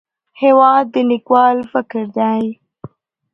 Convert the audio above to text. هېواد د لیکوال فکر دی.